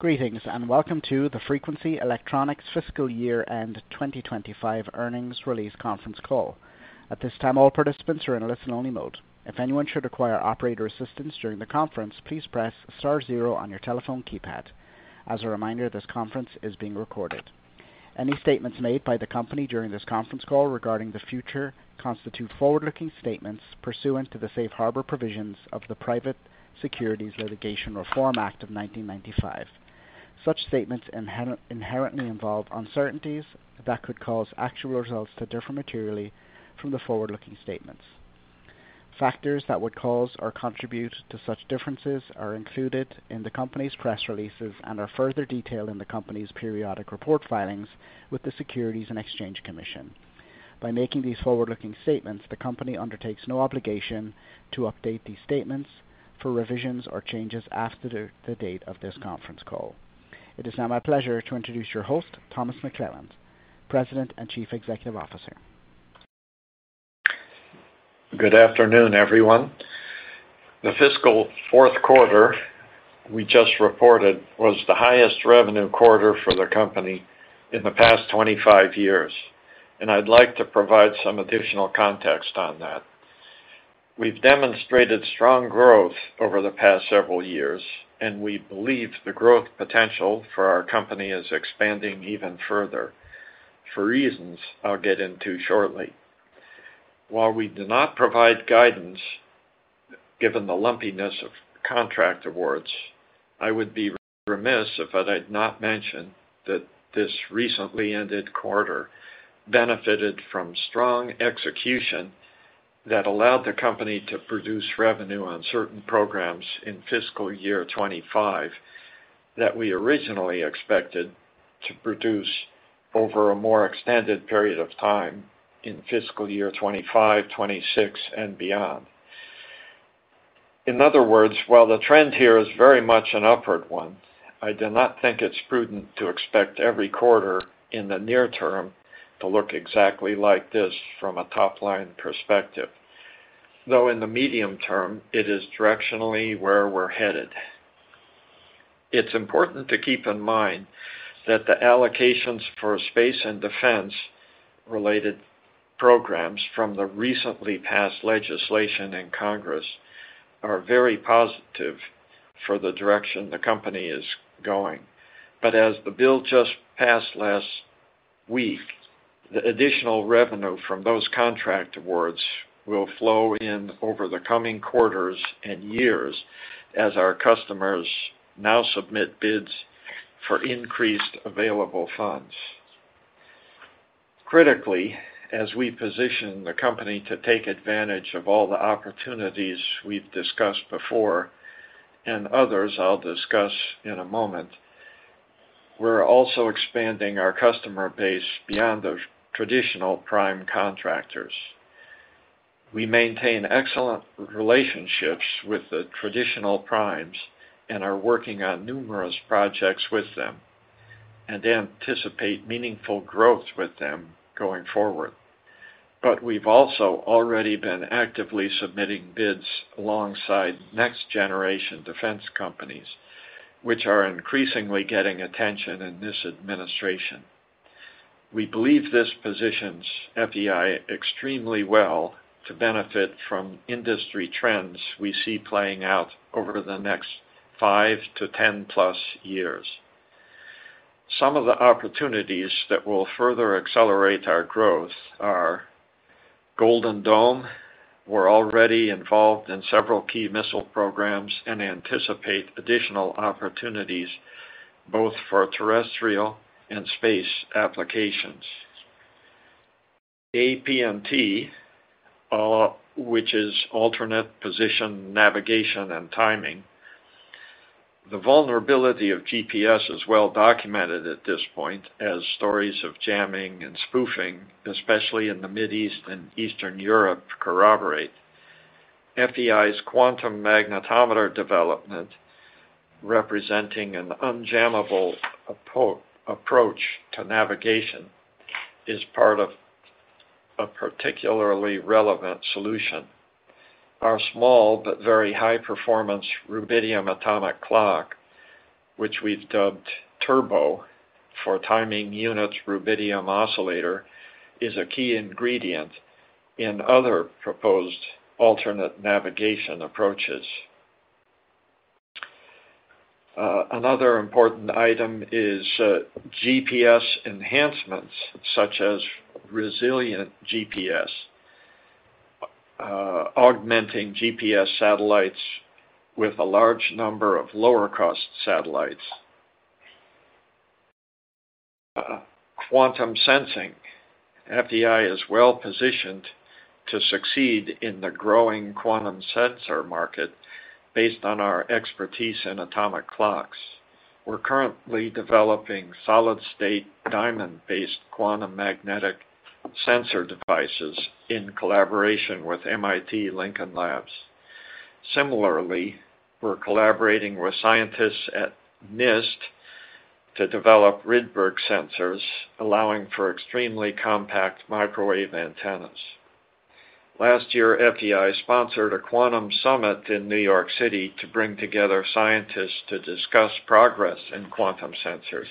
Greetings and welcome to the Frequency Electronics Fiscal Year End 2025 Earnings Release Conference Call. At this time, all participants are in listen-only mode. If anyone should require operator assistance during the conference, please press star zero on your telephone keypad. As a reminder, this conference is being recorded. Any statements made by the company during this conference call regarding the future constitute forward-looking statements pursuant to the safe harbor provisions of the Private Securities Litigation Reform Act of 1995. Such statements inherently involve uncertainties that could cause actual results to differ materially from the forward-looking statements. Factors that would cause or contribute to such differences are included in the company's press releases and are further detailed in the company's periodic report filings with the Securities and Exchange Commission. By making these forward-looking statements, the company undertakes no obligation to update these statements for revisions or changes after the date of this conference call. It is now my pleasure to introduce your host, Thomas McClelland, President and Chief Executive Officer. Good afternoon, everyone. The fiscal fourth quarter we just reported was the highest revenue quarter for the company in the past 25 years, and I'd like to provide some additional context on that. We've demonstrated strong growth over the past several years, and we believe the growth potential for our company is expanding even further for reasons I'll get into shortly. While we do not provide guidance given the lumpiness of contract awards, I would be remiss if I did not mention that this recently ended quarter benefited from strong execution that allowed the company to produce revenue on certain programs in fiscal year 2025 that we originally expected to produce over a more extended period of time in fiscal year 2025, 2026, and beyond. In other words, while the trend here is very much an upward one, I do not think it's prudent to expect every quarter in the near term to look exactly like this from a top-line perspective, though in the medium term, it is directionally where we're headed. It's important to keep in mind that the allocations for space and defense-related programs from the recently passed legislation in Congress are very positive for the direction the company is going. As the bill just passed last week, the additional revenue from those contract awards will flow in over the coming quarters and years as our customers now submit bids for increased available funds. Critically, as we position the company to take advantage of all the opportunities we've discussed before and others I'll discuss in a moment, we're also expanding our customer base beyond the traditional prime contractors. We maintain excellent relationships with the traditional primes and are working on numerous projects with them and anticipate meaningful growth with them going forward. We've also already been actively submitting bids alongside next-generation defense companies, which are increasingly getting attention in this administration. We believe this positions, FEI. extremely well to benefit from industry trends we see playing out over the next 5-10+ years. Some of the opportunities that will further accelerate our growth are Golden Dome. We're already involved in several key missile programs and anticipate additional opportunities both for terrestrial and space applications. APNT, which is Alternate Position, Navigation, and Timing. The vulnerability of GPS is well documented at this point, as stories of jamming and spoofing, especially in the Mideast and Eastern Europe, corroborate, FEI's quantum magnetometer development, representing an unjammable approach to navigation, is part of a particularly relevant solution. Our small but very high-performance rubidium atomic clock, which we've dubbed TURBO for Timing Units Rubidium Oscillator, is a key ingredient in other proposed alternate navigation approaches. Another important item is GPS enhancements, such as Resilient GPS, augmenting GPS satellites with a large number of lower-cost satellites. Quantum sensing, FEI is well positioned to succeed in the growing quantum sensor market based on our expertise in atomic clocks. We're currently developing solid-state diamond-based quantum magnetic sensor devices in collaboration with MIT Lincoln Labs. Similarly, we're collaborating with scientists at NIST to develop Rydberg sensors, allowing for extremely compact microwave antennas. Last year, FEI sponsored a quantum summit in New York City to bring together scientists to discuss progress in quantum sensors.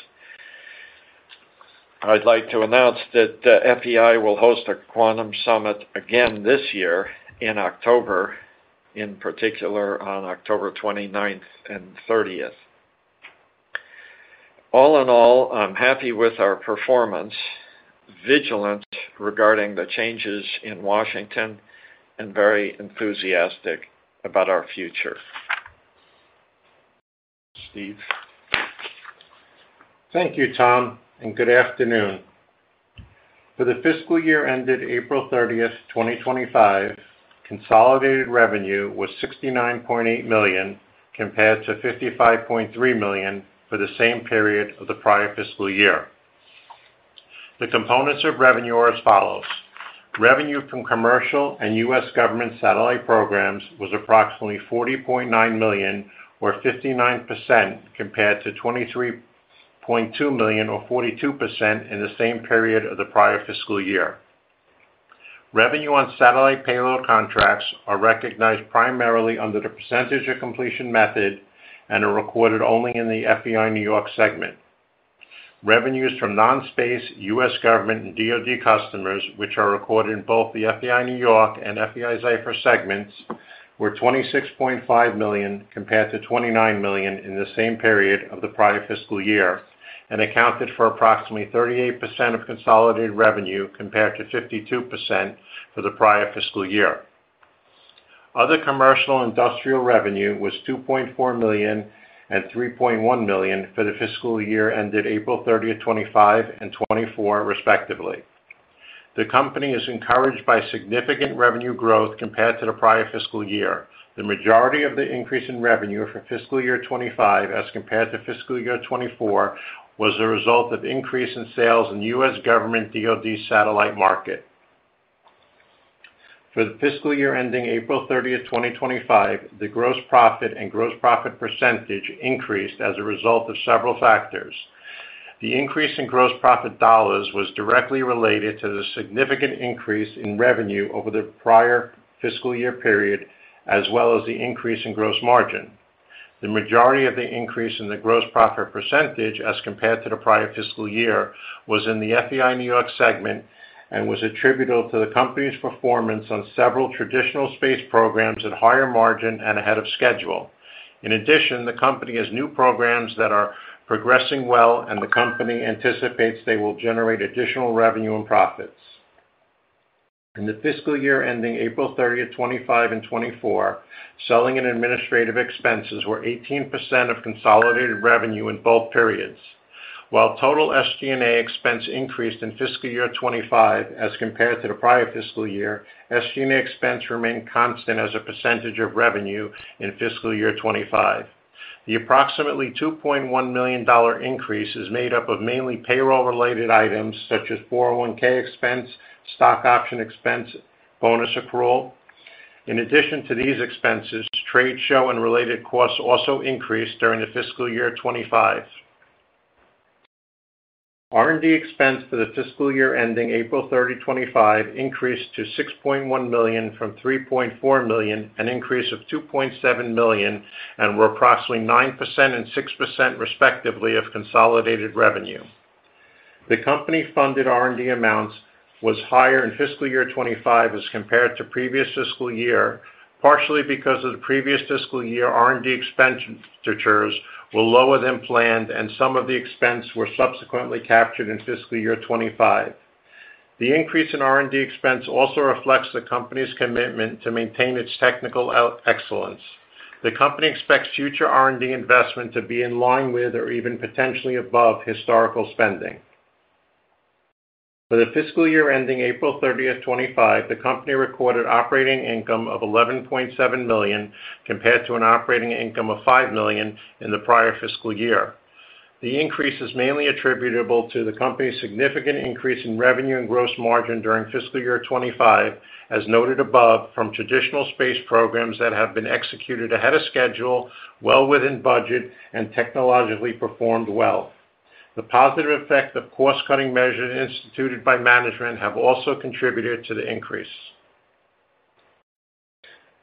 I'd like to announce that FEI will host a quantum summit again this year in October, in particular on October 29th and 30th. All in all, I'm happy with our performance, vigilant regarding the changes in Washington, and very enthusiastic about our future. Steve. Thank you, Tom, and good afternoon. For the fiscal year ended April 30, 2025, consolidated revenue was $69.8 million compared to $55.3 million for the same period of the prior fiscal year. The components of revenue are as follows: revenue from commercial and U.S. government satellite programs was approximately $40.9 million, or 59%, compared to $23.2 million, or 42%, in the same period of the prior fiscal year. Revenue on satellite payload contracts are recognized primarily under the percentage of completion method and are recorded only in the FEI-New York segment. Revenues from non-space U.S. government and DoD customers, which are recorded in both the FEI-New York and FEI-Zyfer segments, were $26.5 million compared to $29 million in the same period of the prior fiscal year and accounted for approximately 38% of consolidated revenue compared to 52% for the prior fiscal year. Other commercial industrial revenue was $2.4 million and $3.1 million for the fiscal year ended April 30, 2025 and 2024, respectively. The company is encouraged by significant revenue growth compared to the prior fiscal year. The majority of the increase in revenue for fiscal year 2025 as compared to fiscal year 2024 was a result of increase in sales in the U.S. government DoD satellite market. For the fiscal year ending April 30, 2025, the gross profit and gross profit percentage increased as a result of several factors. The increase in gross profit dollars was directly related to the significant increase in revenue over the prior fiscal year period, as well as the increase in gross margin. The majority of the increase in the gross profit percentage as compared to the prior fiscal year was in the FEI-New York segment and was attributable to the company's performance on several traditional space programs at higher margin and ahead of schedule. In addition, the company has new programs that are progressing well, and the company anticipates they will generate additional revenue and profits. In the fiscal year ending April 30, 2025 and 2024, selling and administrative expenses were 18% of consolidated revenue in both periods. While total SG&A expense increased in fiscal year 2025 as compared to the prior fiscal year, SG&A expense remained constant as a percentage of revenue in fiscal year 2025. The approximately $2.1 million increase is made up of mainly payroll-related items such as 401(k) expense, stock option expense, and bonus accrual. In addition to these expenses, trade show and related costs also increased during the fiscal year 2025. R&D expense for the fiscal year ending April 30, 2025 increased to $6.1 million from $3.4 million, an increase of $2.7 million, and were approximately 9% and 6% respectively of consolidated revenue. The company-funded R&D amounts were higher in fiscal year 2025 as compared to previous fiscal year, partially because the previous fiscal year R&D expenditures were lower than planned and some of the expense was subsequently captured in fiscal year 2025. The increase in R&D expense also reflects the company's commitment to maintain its technical excellence. The company expects future R&D investment to be in line with or even potentially above historical spending. For the fiscal year ending April 30, 2025, the company recorded operating income of $11.7 million compared to an operating income of $5 million in the prior fiscal year. The increase is mainly attributable to the company's significant increase in revenue and gross margin during fiscal year 2025, as noted above, from traditional space programs that have been executed ahead of schedule, well within budget, and technologically performed well. The positive effect of cost-cutting measures instituted by management have also contributed to the increase.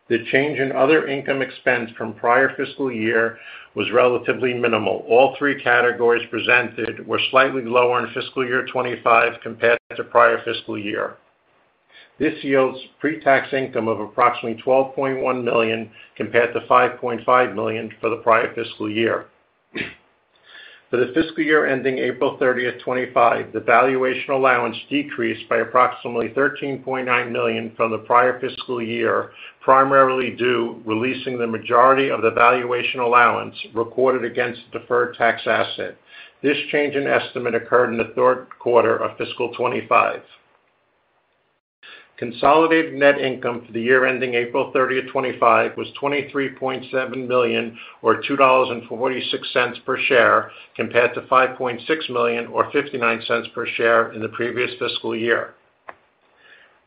The change in other income expense from the prior fiscal year was relatively minimal. All three categories presented were slightly lower in fiscal year 2025 compared to the prior fiscal year. This yields pre-tax income of approximately $12.1 million compared to $5.5 million for the prior fiscal year. For the fiscal year ending April 30, 2025, the valuation allowance decreased by approximately $13.9 million from the prior fiscal year, primarily due to releasing the majority of the valuation allowance recorded against the deferred tax asset. This change in estimate occurred in the third quarter of fiscal 2025. Consolidated net income for the year ending April 30, 2025 was $23.7 million, or $2.46 per share, compared to $5.6 million, or $0.59 per share in the previous fiscal year.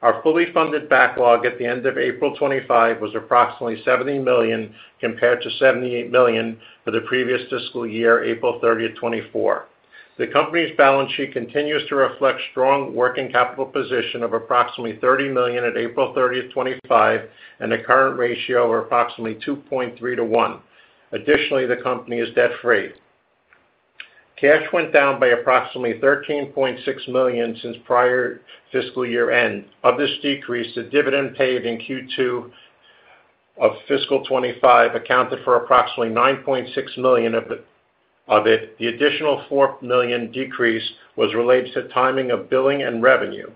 Our fully funded backlog at the end of April 2025 was approximately $70 million, compared to $78 million for the previous fiscal year, April 30, 2024. The company's balance sheet continues to reflect a strong working capital position of approximately $30 million at April 30, 2025, and a current ratio of approximately 2.3-to-1. Additionally, the company is debt-free. Cash went down by approximately $13.6 million since the prior fiscal year end. Of this decrease, the dividend paid in Q2 of fiscal 2025 accounted for approximately $9.6 million of it. The additional $4 million decrease was related to the timing of billing and revenue.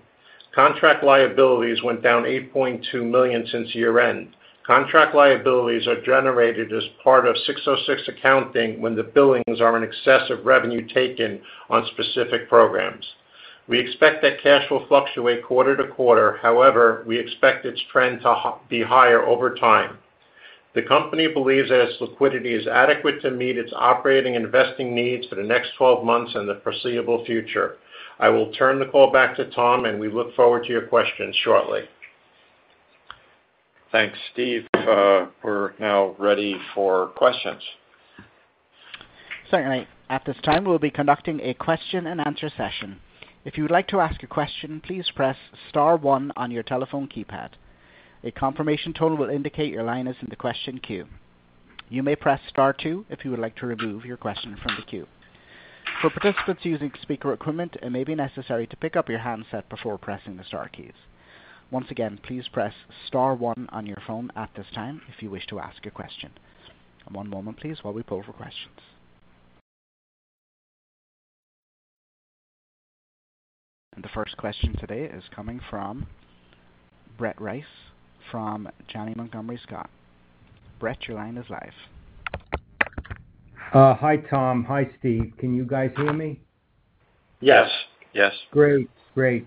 Contract liabilities went down $8.2 million since year end. Contract liabilities are generated as part of 606 accounting when the billings are in excess of revenue taken on specific programs. We expect that cash will fluctuate quarter to quarter, however, we expect its trend to be higher over time. The company believes that its liquidity is adequate to meet its operating and investing needs for the next 12 months and the foreseeable future. I will turn the call back to Tom, and we look forward to your questions shortly. Thanks, Steve. We're now ready for questions. Certainly. At this time, we'll be conducting a question and answer session. If you would like to ask a question, please press star one on your telephone keypad. A confirmation tone will indicate your line is in the question queue. You may press star two if you would like to remove your question from the queue. For participants using speaker equipment, it may be necessary to pick up your handset before pressing the star keys. Once again, please press star one on your phone at this time if you wish to ask a question. One moment, please, while we pull for questions. The first question today is coming from Brett Reiss from Janney Montgomery Scott. Brett, your line is live. Hi, Tom. Hi, Steve. Can you guys hear me? Yes. Yes. Great. Great.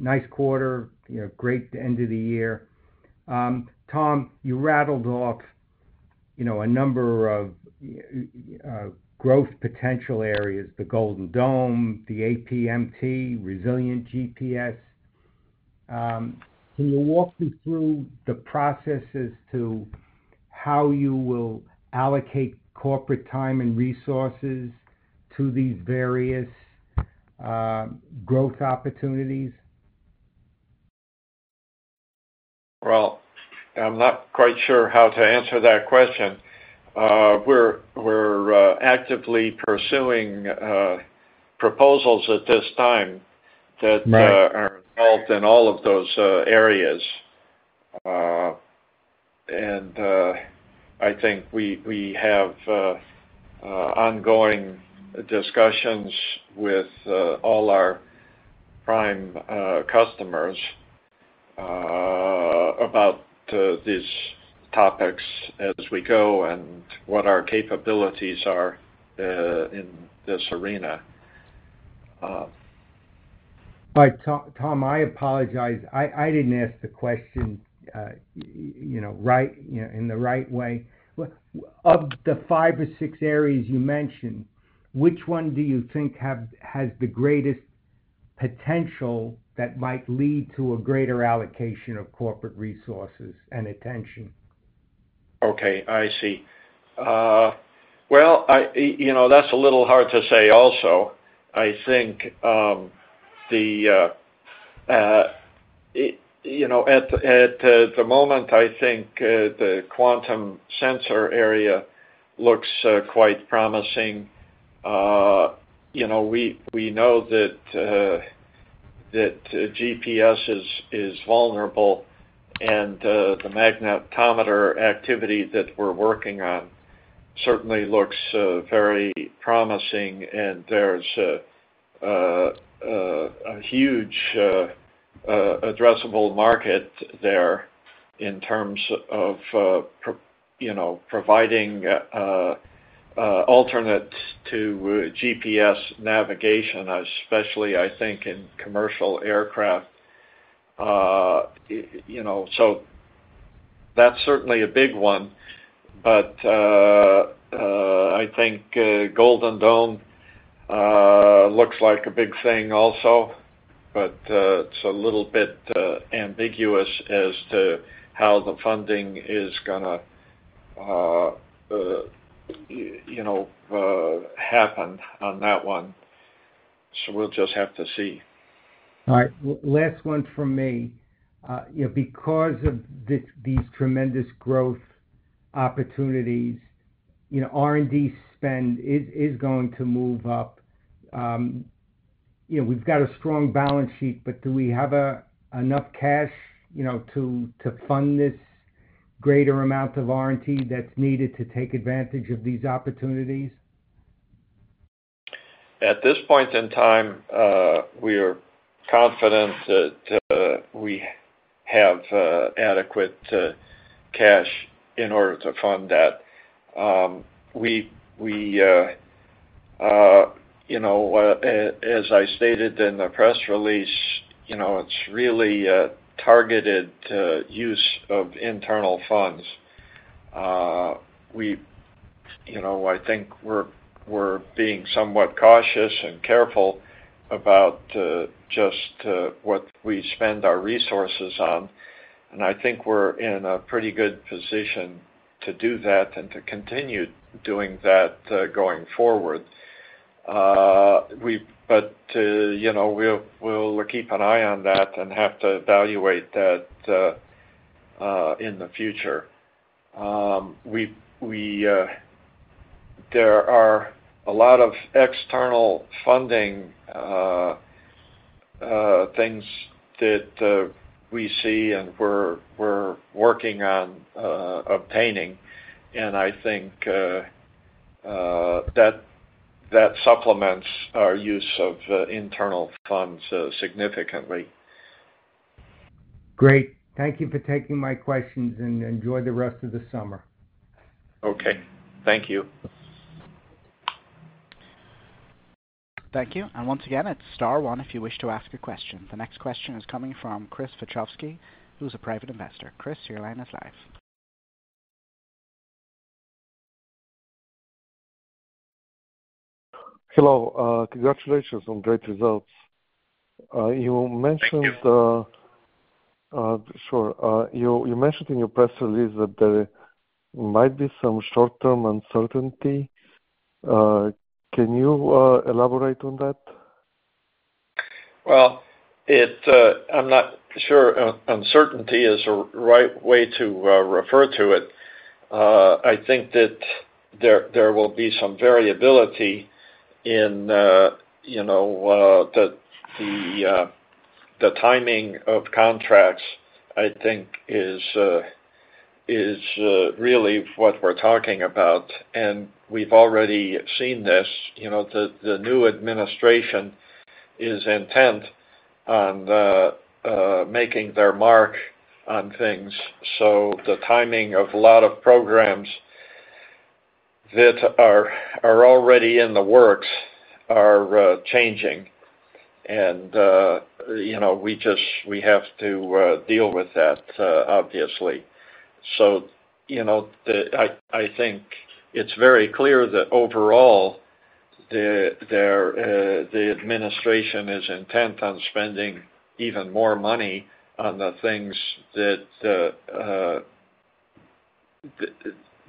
Nice quarter, great end of the year. Tom, you rattled off a number of growth potential areas: the Golden Dome, the APNT, Resilient GPS. Can you walk me through the processes to how you will allocate corporate time and resources to these various growth opportunities? I'm not quite sure how to answer that question. We're actively pursuing proposals at this time that are involved in all of those areas. I think we have ongoing discussions with all our prime customers about these topics as we go and what our capabilities are in this arena. Tom, I apologize. I didn't ask the question in the right way. Of the five or six areas you mentioned, which one do you think has the greatest potential that might lead to a greater allocation of corporate resources and attention? I see. That's a little hard to say also. At the moment, I think the quantum sensor area looks quite promising. We know that GPS is vulnerable, and the magnetometer activity that we're working on certainly looks very promising. There's a huge addressable market there in terms of providing alternates to GPS navigation, especially in commercial aircraft. That's certainly a big one. I think Golden Dome looks like a big thing also, but it's a little bit ambiguous as to how the funding is going to happen on that one. We'll just have to see. All right. Last one from me. Because of these tremendous growth opportunities, R&D spend is going to move up. We've got a strong balance sheet, but do we have enough cash to fund this greater amount of R&D that's needed to take advantage of these opportunities? At this point in time, we are confident that we have adequate cash in order to fund that. As I stated in the press release, it's really a targeted use of internal funds. I think we're being somewhat cautious and careful about just what we spend our resources on. I think we're in a pretty good position to do that and to continue doing that going forward. We'll keep an eye on that and have to evaluate that in the future. There are a lot of external funding things that we see and we're working on obtaining. I think that supplements our use of internal funds significantly. Great. Thank you for taking my questions and enjoy the rest of the summer. Okay. Thank you. Thank you. Once again, it's star one if you wish to ask a question. The next question is coming from Chris Wojciechowski, who is a private investor. Chris, your line is live. Hello. Congratulations on great results. You mentioned in your press release that there might be some short-term uncertainty. Can you elaborate on that? I'm not sure uncertainty is the right way to refer to it. I think that there will be some variability in the timing of contracts, I think, is really what we're talking about. We've already seen this. The new administration is intent on making their mark on things. The timing of a lot of programs that are already in the works are changing. We just have to deal with that, obviously. I think it's very clear that overall the administration is intent on spending even more money on the things that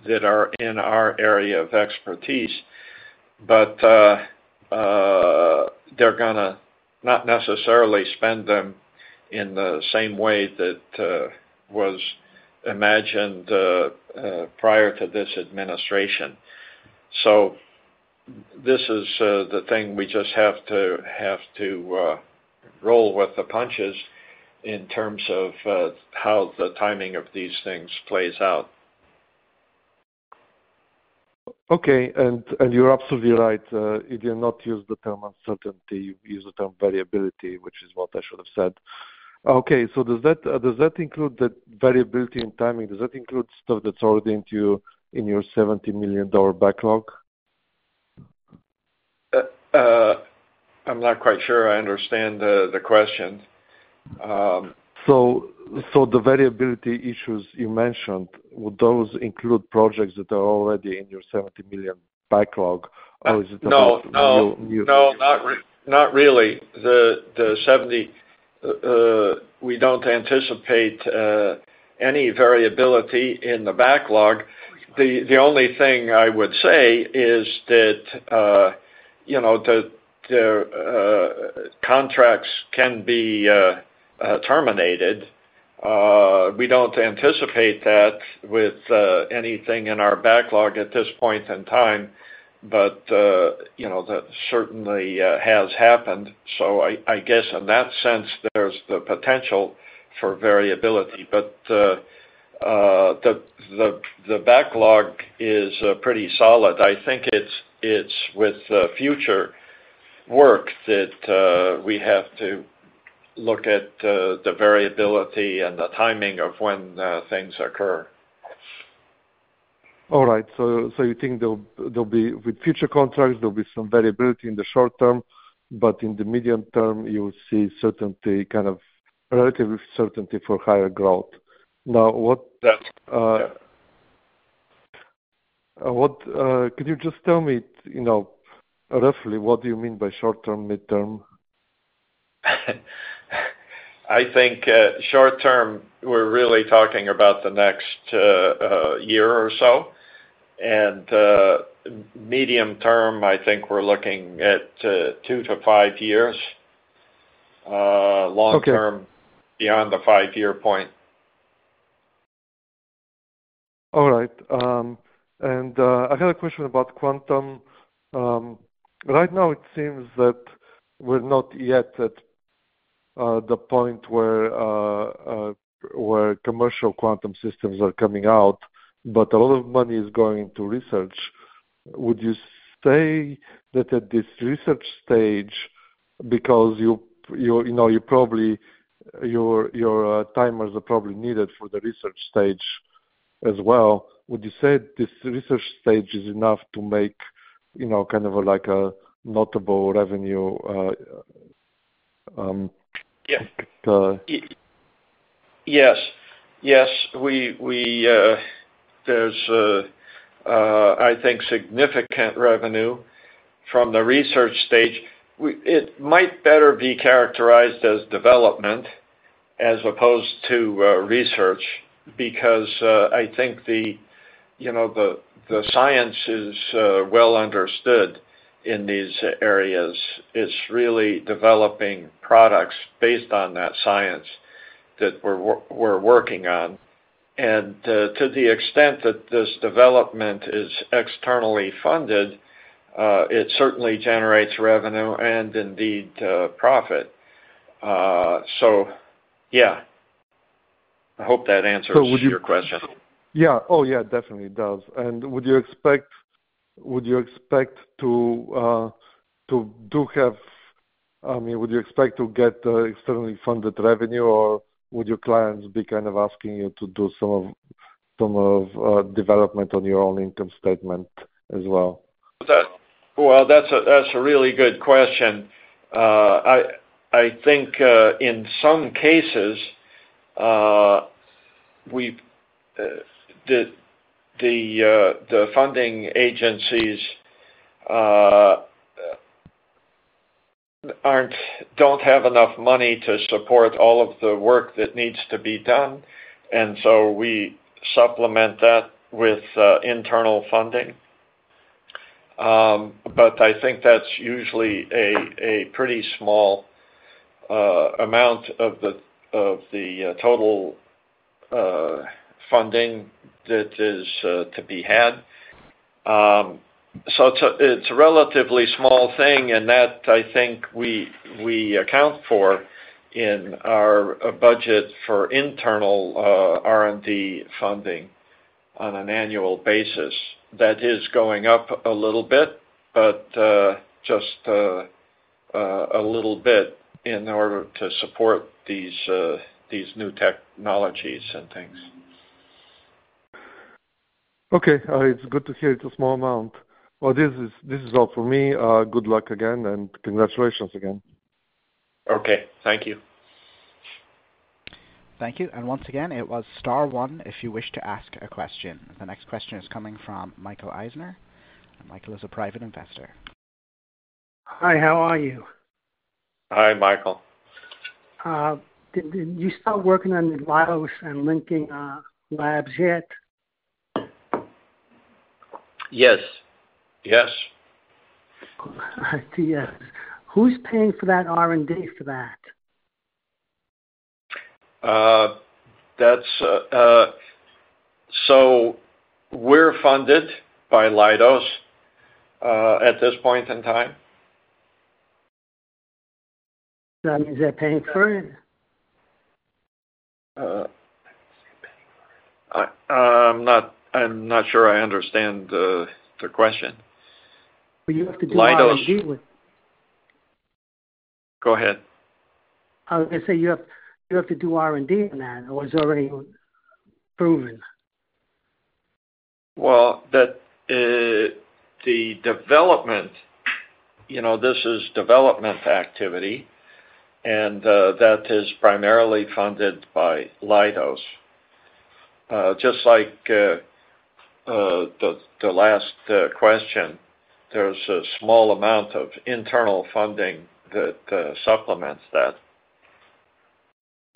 are in our area of expertise. They're going to not necessarily spend them in the same way that was imagined prior to this administration. This is the thing we just have to roll with the punches in terms of how the timing of these things plays out. Okay. You're absolutely right. If you do not use the term uncertainty, you use the term variability, which is what I should have said. Does that include the variability in timing? Does that include stuff that's already in your $70 million backlog? I'm not quite sure I understand the question. Do the variability issues you mentioned include projects that are already in your $70 million backlog, or is it new? No, not really. The $70 million, we don't anticipate any variability in the backlog. The only thing I would say is that the contracts can be terminated. We don't anticipate that with anything in our backlog at this point in time. That certainly has happened. I guess in that sense, there's the potential for variability. The backlog is pretty solid. I think it's with the future work that we have to look at the variability and the timing of when things occur. All right. You think there'll be, with future contracts, some variability in the short term, but in the medium term, you'll see certainty, kind of relative certainty for higher growth. What can you just tell me, you know, roughly what do you mean by short term, midterm? I think short term, we're really talking about the next year or so. Medium term, I think we're looking at two to five years. Long term, beyond the five-year point. All right. I had a question about quantum. Right now, it seems that we're not yet at the point where commercial quantum systems are coming out, but a lot of money is going into research. Would you say that at this research stage, because you know, your timers are probably needed for the research stage as well, would you say this research stage is enough to make, you know, kind of like a notable revenue? Yes. Yes. I think significant revenue from the research stage might better be characterized as development as opposed to research because the science is well understood in these areas. It's really developing products based on that science that we're working on. To the extent that this development is externally funded, it certainly generates revenue and indeed profit. I hope that answers your question. Yeah, oh, yeah, definitely does. Would you expect to get the externally funded revenue, or would your clients be kind of asking you to do some of the development on your own income statement as well? That's a really good question. I think in some cases, the funding agencies don't have enough money to support all of the work that needs to be done. We supplement that with internal funding. I think that's usually a pretty small amount of the total funding that is to be had. It's a relatively small thing, and I think we account for that in our budget for internal R&D funding on an annual basis. That is going up a little bit, but just a little bit in order to support these new technologies and things. Okay. It's good to hear it's a small amount. This is all for me. Good luck again and congratulations again. Okay, thank you. Thank you. Once again, it is star one if you wish to ask a question. The next question is coming from Michael Eisner. Michael is a private investor. Hi. How are you? Hi, Michael. Did you start working on the virus and linking labs yet? Yes. Yes. I see it. Who's paying for that R&D for that? We're funded by Leidos at this point in time. Is that paying for it? I'm not sure I understand the question. You have to do R&D with. Go ahead. I said you have to do R&D on that, or is it already proven? The development, you know, this is development activity, and that is primarily funded by Leidos. Just like the last question, there's a small amount of internal funding that supplements that.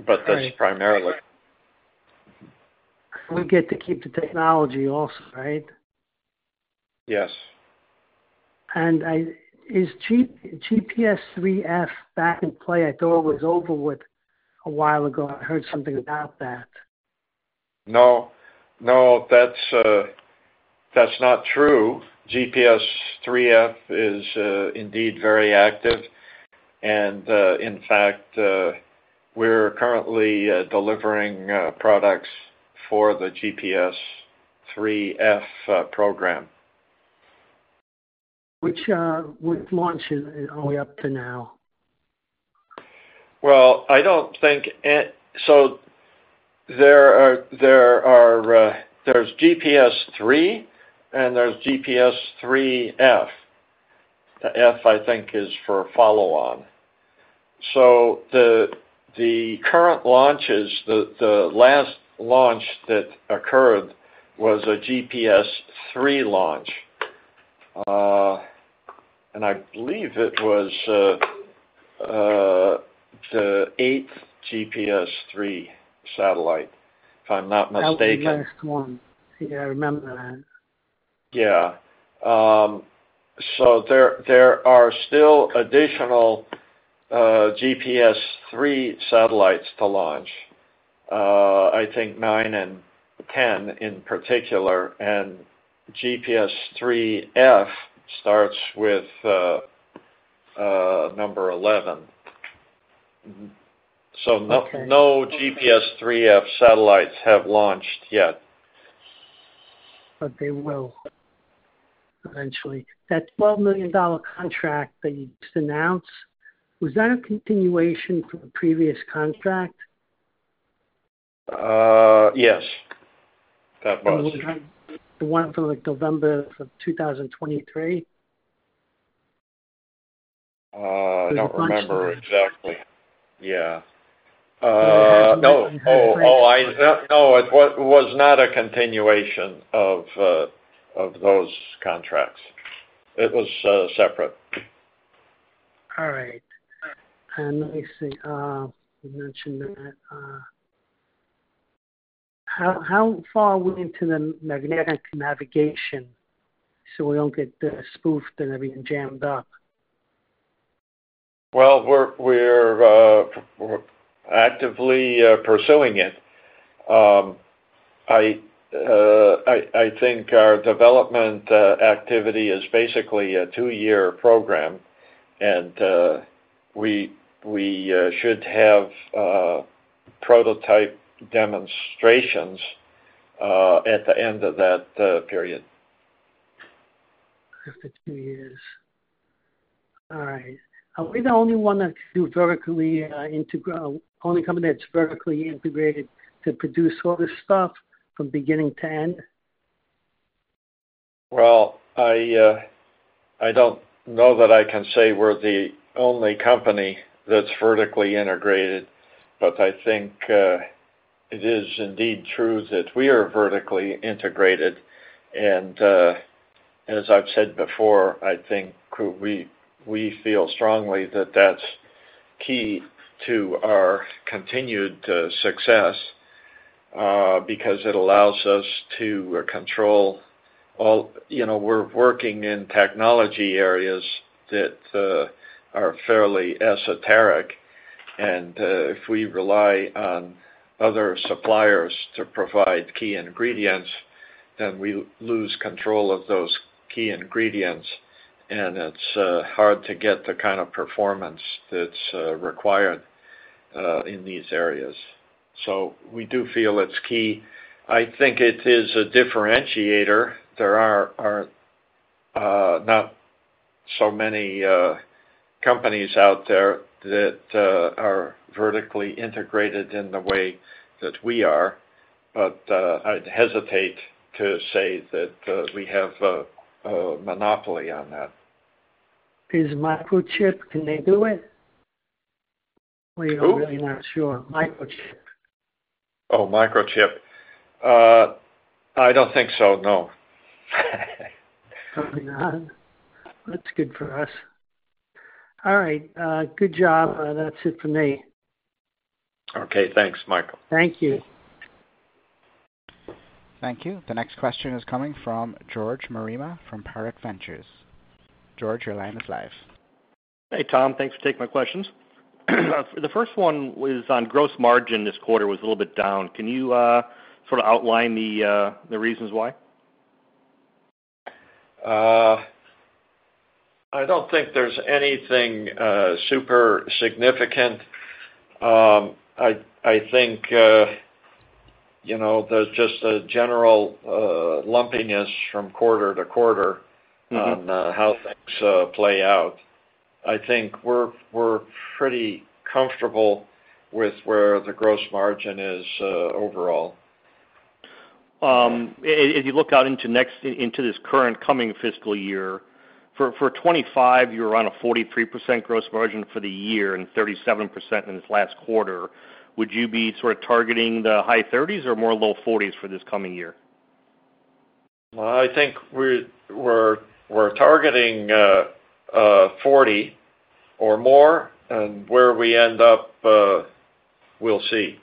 That's primarily. We get to keep the technology also, right? Yes. Is GPS IIIF back in play? I thought it was over with a while ago. I heard something about that. No, that's not true. GPS IIIF is indeed very active. In fact, we're currently delivering products for the GPS IIIF program. Which launch are we up to now? I don't think so. There's GPS III and there's GPS IIIF. The F, I think, is for follow-on. The current launches, the last launch that occurred was a GPS III launch. I believe it was the eighth GPS III satellite, if I'm not mistaken. I'm on the next one. Yeah, I remember that. There are still additional GPS III satellites to launch, I think 9 and 10 in particular. GPS IIIF starts with number 11. No GPS IIIF satellites have launched yet. They will eventually. That $12 million contract that you just announced, was that a continuation from a previous contract? Yes, that was. The one for like November of 2023? I don't remember exactly. No, it was not a continuation of those contracts. It was separate. All right. Let me see. You mentioned that, how far are we into the magnetic navigation so we don't get spoofed and everything jammed up? We're actively pursuing it. I think our development activity is basically a two-year program, and we should have prototype demonstrations at the end of that period. Two years. All right. Are we the only one that's vertically integrated, the only company that's vertically integrated to produce all this stuff from beginning to end? I don't know that I can say we're the only company that's vertically integrated, but I think it is indeed true that we are vertically integrated. As I've said before, I think we feel strongly that that's key to our continued success because it allows us to control all, you know, we're working in technology areas that are fairly esoteric. If we rely on other suppliers to provide key ingredients, then we lose control of those key ingredients, and it's hard to get the kind of performance that's required in these areas. We do feel it's key. I think it is a differentiator. There are not so many companies out there that are vertically integrated in the way that we are, but I'd hesitate to say that we have a monopoly on that. Is Microchip, can they do it? We're really not sure. Microchip. Oh, Microchip? I don't think so, no. Okay, that's good for us. All right, good job. That's it for me. Okay. Thanks, Michael. Thank you. Thank you. The next question is coming from George Marema from Pareto Ventures. George, your line is live. Hey, Tom. Thanks for taking my questions. The first one was on gross margin this quarter, it was a little bit down. Can you sort of outline the reasons why? I don't think there's anything super significant. I think just a general lumpiness from quarter to quarter on how things play out. I think we're pretty comfortable with where the gross margin is overall. If you look out into this current coming fiscal year, for 2025, you were on a 43% gross margin for the year and 37% in this last quarter. Would you be sort of targeting the high 30s or more low 40s for this coming year? I think we're targeting 40 or more, and where we end up, we'll see.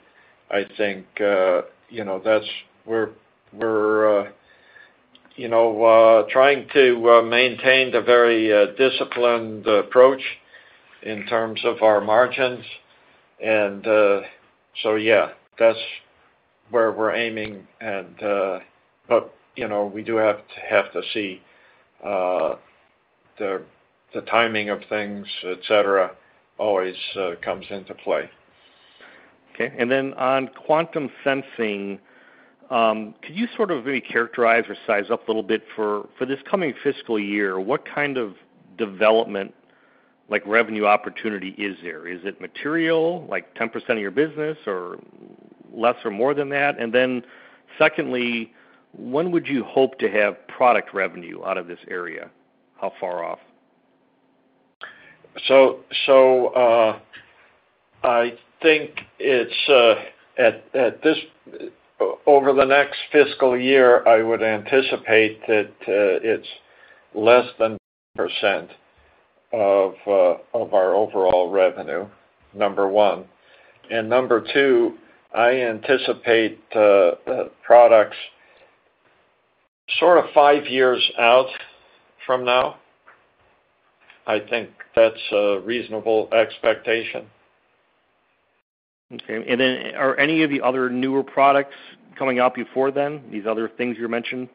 I think that's where we're trying to maintain a very disciplined approach in terms of our margins. That's where we're aiming, but we do have to see the timing of things, etc., always comes into play. Okay. On quantum sensing, can you sort of maybe characterize or size up a little bit for this coming fiscal year? What kind of development, like revenue opportunity, is there? Is it material, like 10% of your business or less or more than that? Secondly, when would you hope to have product revenue out of this area? How far off? I think it's at this over the next fiscal year, I would anticipate that it's less than 10% of our overall revenue, number one. Number two, I anticipate the products sort of five years out from now. I think that's a reasonable expectation. Okay. Are any of the other newer products coming out before then, these other things you mentioned?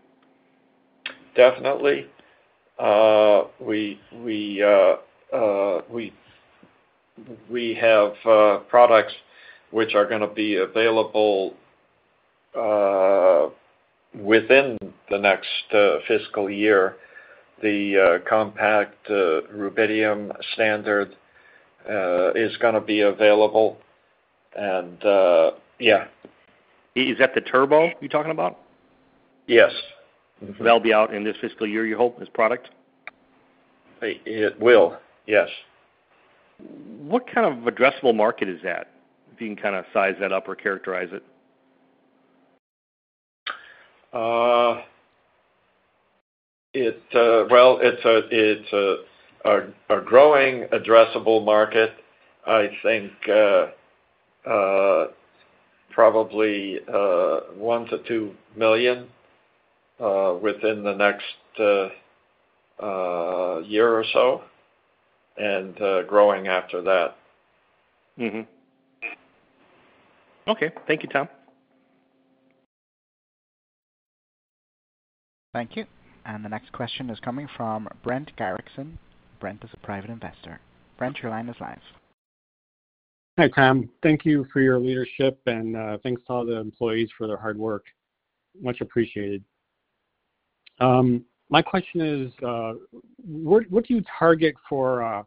Definitely. We have products which are going to be available within the next fiscal year. The compact rubidium standard is going to be available. Yeah. Is that the TURBO you're talking about? Yes. That'll be out in this fiscal year, you hope, this product? It will, yes. What kind of addressable market is that if you can kind of size that up or characterize it? It's a growing addressable market. I think probably $1-$2 million within the next year or so, and growing after that. Okay. Thank you, Tom. Thank you. The next question is coming from Brent Garrickson. Brent is a private investor. Brent, your line is live. Hi, Tom. Thank you for your leadership and thanks to all the employees for their hard work. Much appreciated. My question is, what do you target for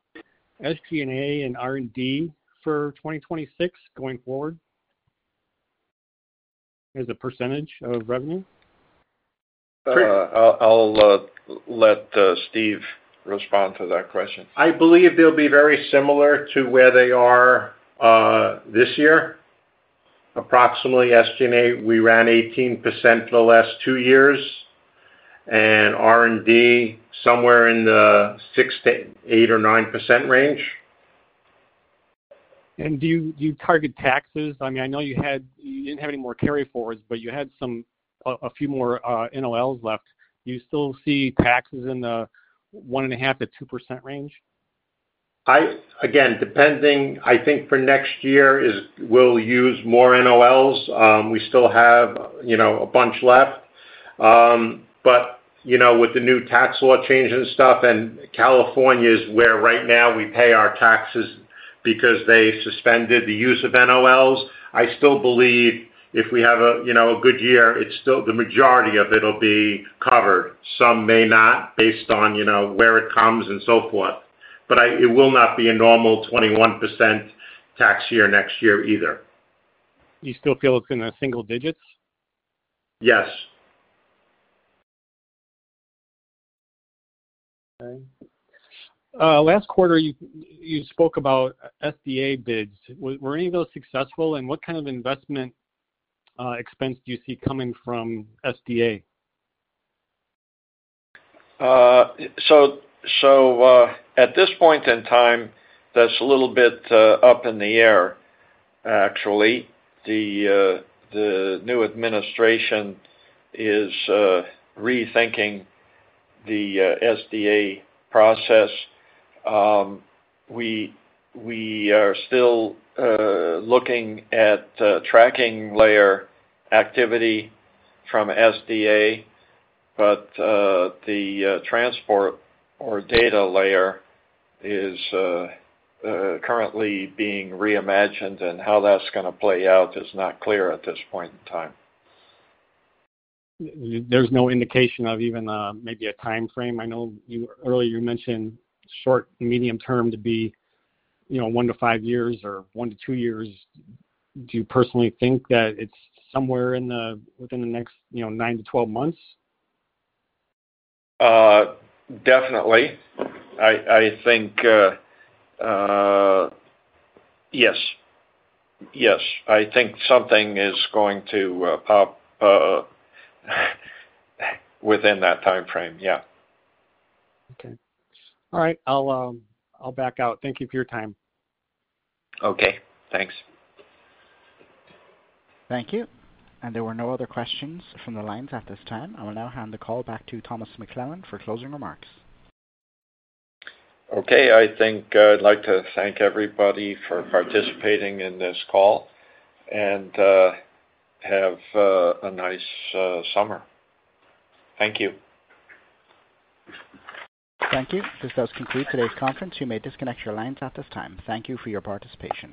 SG&A and R&D for 2026 going forward as a % of revenue? I'll let Steve respond to that question. I believe they'll be very similar to where they are this year. Approximately, SG&A, we ran 18% for the last two years, and R&D somewhere in the 6%-8% or 9% range. Do you target taxes? I mean, I know you didn't have any more carryforwards, but you had a few more NOLs left. Do you still see taxes in the 1.5%-2% range? Again, depending, I think for next year, we'll use more NOLs. We still have a bunch left. With the new tax law changing stuff, and California is where right now we pay our taxes because they suspended the use of NOLs, I still believe if we have a good year, the majority of it will be covered. Some may not based on where it comes and so forth. It will not be a normal 21% tax year next year either. You still feel it's in the single digits? Yes. Okay. Last quarter, you spoke about SDA bids. Were any of those successful, and what kind of investment expense do you see coming from SDA? At this point in time, that's a little bit up in the air, actually. The new administration is rethinking the SDA process. We are still looking at tracking layer activity from SDA, but the transport or data layer is currently being reimagined, and how that's going to play out is not clear at this point in time. There's no indication of even maybe a timeframe. I know you earlier mentioned short, medium term to be, you know, one to five years or one to two years. Do you personally think that it's somewhere in the within the next, you know, 9 to 12 months? I think yes, I think something is going to pop within that timeframe. Okay. All right. I'll back out. Thank you for your time. Okay. Thanks. Thank you. There were no other questions from the lines at this time. I will now hand the call back to Thomas McClelland for closing remarks. Okay, I think I'd like to thank everybody for participating in this call and have a nice summer. Thank you. Thank you. This does conclude today's conference. You may disconnect your lines at this time. Thank you for your participation.